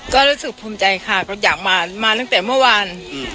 ก็รู้สึกภูมิใจค่ะรถอยากมามาตั้งแต่เมื่อวาน